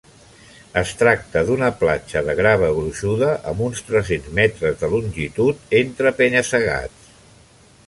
Es tracta d'una platja de grava gruixuda amb uns tres-cents metres de longitud entre penya-segats.